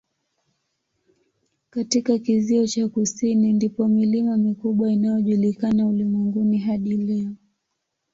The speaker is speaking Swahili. Katika kizio cha kusini ndipo milima mikubwa inayojulikana ulimwenguni hadi leo.